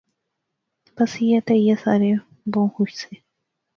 بس ایہھاں تے ایہہ سارے بہوں خوش سے